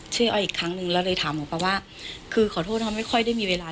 อ้อยอีกครั้งนึงแล้วเลยถามหมอปลาว่าคือขอโทษนะไม่ค่อยได้มีเวลา